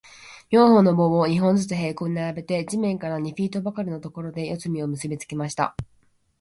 四本の棒を、二本ずつ平行に並べて、地面から二フィートばかりのところで、四隅を結びつけました。